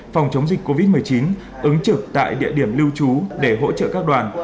phòng chống dịch covid một mươi chín ứng trực tại địa điểm lưu trú để hỗ trợ các đoàn